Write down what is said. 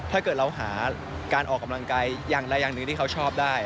ถ้าเกิดเราหาการออกกำลังกายอย่างใดอย่างหนึ่งที่เขาชอบได้